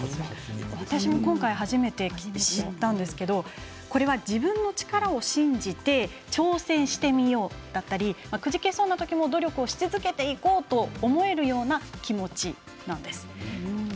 私も今回、初めて知ったんですけど、これは自分の力を信じて挑戦してみようだったりくじけそうなときも努力をし続けていこうと思えるような気持ちなんです。